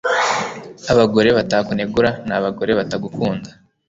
Abagore batakunegura ni abagore batagukunda